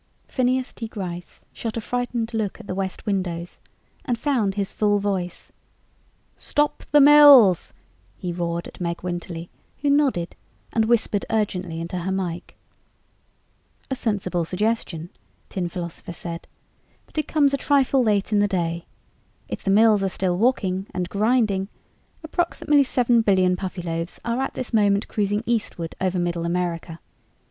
Phineas T. Gryce shot a frightened look at the west windows and found his full voice. "Stop the mills!" he roared at Meg Winterly, who nodded and whispered urgently into her mike. "A sensible suggestion," Tin Philosopher said. "But it comes a trifle late in the day. If the mills are still walking and grinding, approximately seven billion Puffyloaves are at this moment cruising eastward over Middle America.